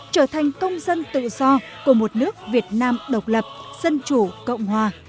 trở thành công dân tự do của một nước việt nam độc lập dân chủ cộng hòa